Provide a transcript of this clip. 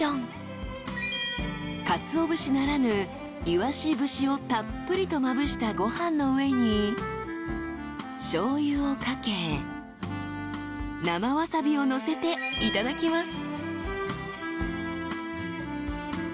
［かつお節ならぬいわし節をたっぷりとまぶしたご飯の上にしょうゆをかけ生わさびをのせていただきます］